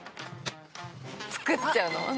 作っちゃうの？